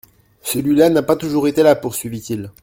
Celui-là n’a pas toujours été là, poursuivit-il.